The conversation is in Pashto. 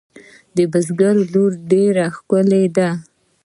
د بزگر لور ډېره ښکلې ده.